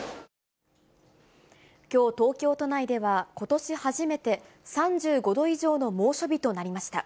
きょう、東京都内では、ことし初めて、３５度以上の猛暑日となりました。